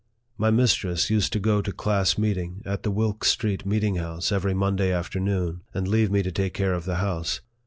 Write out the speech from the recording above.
My mistress used to go to class meeting at the Wilk Street meeting house every Monday afternoon, and leave me to take care of the house.